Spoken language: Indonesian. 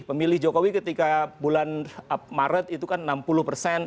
pemilih jokowi ketika bulan maret itu kan enam puluh persen